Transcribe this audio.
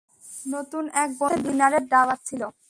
নতুন এক বন্ধুর সাথে ডিনারের দাওয়াত ছিল।